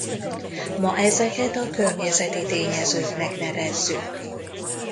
Ma ezeket a környezeti tényezőknek nevezzük.